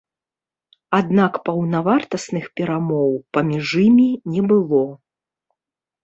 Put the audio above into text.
Аднак паўнавартасных перамоў паміж імі не было.